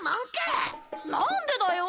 なんでだよ！